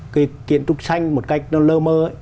cái kiến trúc xanh một cách nó lơ mơ